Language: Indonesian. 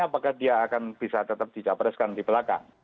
apakah dia akan bisa tetap dicapreskan di belakang